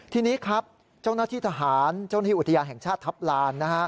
ทีนี้ครับเจ้าหน้าที่ทหารเจ้าหน้าที่อุทยานแห่งชาติทัพลาน